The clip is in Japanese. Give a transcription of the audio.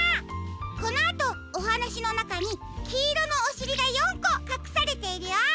このあとおはなしのなかにきいろのおしりが４こかくされているよ。